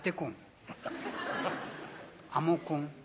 アモコン。